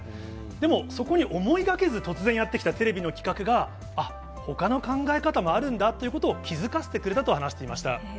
でも、そこに思いがけず、突然やって来たテレビの企画が、あっ、ほかの考え方もあるんだっていうことを気付かせてくれたと話していました。